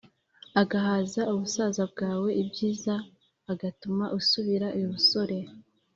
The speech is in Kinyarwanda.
Agahaza ubusaza bwawe ibyiza agatuma usubira ibusore